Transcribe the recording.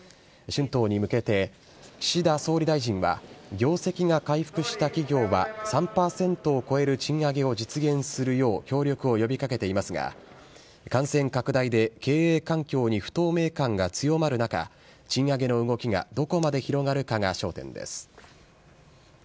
春闘に向けて、岸田総理大臣は、業績が回復した企業は３％を超える賃上げを実現するよう協力を呼びかけていますが、感染拡大で経営環境に不透明感が強まる中、賃上げの動きがどこまで広がるかが焦点です。